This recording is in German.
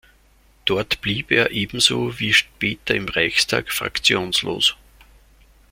Dort blieb er ebenso wie später im Reichstag fraktionslos.